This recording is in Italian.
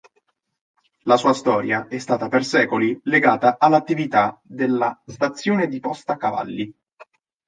La sua storia è stata per secoli legata all'attività della stazione di posta cavalli.